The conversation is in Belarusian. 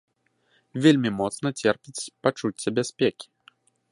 Вельмі моцна церпіць пачуцце бяспекі.